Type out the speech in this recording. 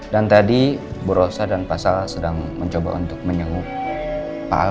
dan tadi bu rosa dan pak sal sedang mencoba untuk menyengup pak al